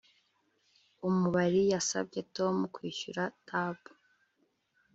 Umubari yasabye Tom kwishyura tab